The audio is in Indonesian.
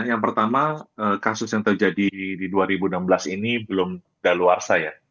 yang pertama kasus yang terjadi di dua ribu enam belas ini belum daluarsa ya